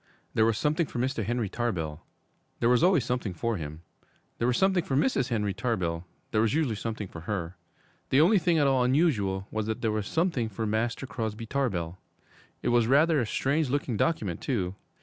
There was something for Mr. Henry Tarbell there was always something for him; there was something for Mrs. Henry Tarbell there was usually something for her. The only thing at all unusual was that there was something for Master Crosby Tarbell. It was rather a strange looking document, too.